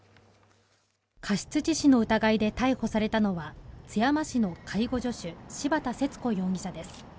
過失致死の疑いで逮捕されたのは津山市の介護助手、柴田節子容疑者です。